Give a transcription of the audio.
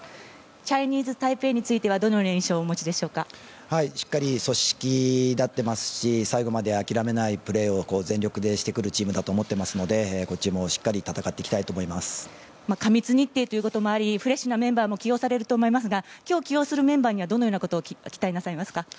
チャイニーズタイペイについては、どのような印象をしっかり、組織立ってますし最後まで諦めないプレーを全力でしてくるチームだと思ってますのでこっちも、しっかり戦って過密日程ということもありフレッシュのメンバーも起用されると思いますが今日起用されるメンバーにはどんなことを期待しますか。